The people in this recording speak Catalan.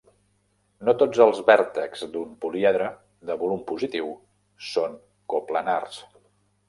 No tots els vèrtexs d'un poliedre de volum positiu són coplanars.